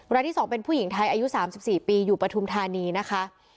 รายที่๒เป็นผู้หญิงไทยอายุ๓๔ปีอยู่ปฐุมธานีนะคะ